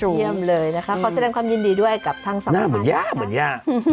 เยี่ยมเลยค่ะเขาแสดงความยินดีด้วยกับทางสักอยู่ข้าง